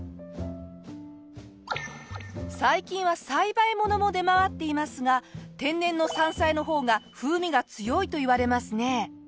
最近は栽培ものも出回っていますが天然の山菜の方が風味が強いといわれますね。